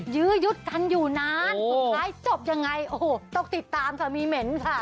ยื้อยุดกันอยู่นานสุดท้ายจบยังไงโอ้โหต้องติดตามค่ะมีเหม็นค่ะ